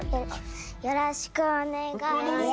よろしくお願いします。